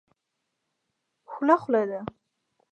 خوله خوله ده.